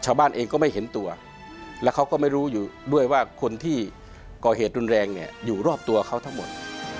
ชาวบ้านเองก็ไม่เห็นตัวแล้วเขาก็ไม่รู้อยู่ด้วยว่าคนที่ก่อเหตุรุนแรงเนี่ยอยู่รอบตัวเขาทั้งหมด